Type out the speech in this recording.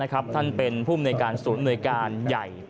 ครับท่านเป็นภูมินวยการศูนย์มนตร์หน่วยการใหญ่